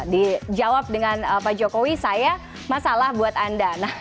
dijawab dengan pak jokowi saya masalah buat anda